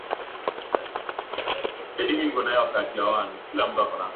mgawanyiko wa darasa ulikuwa unaonekana sana